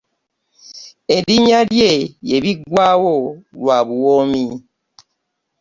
Erinnya lye ye Biggwawo lwa Buwoomi ,